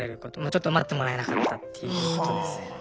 ちょっと待ってもらえなかったっていうことですね。